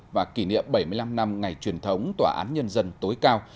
và kỷ niệm bảy mươi năm năm ngày truyền thống tòa án nhân dân tối cao